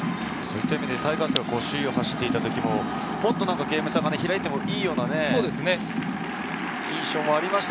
タイガースが首位を走っていた時ももっとゲーム差が開いてもいいような印象がありました。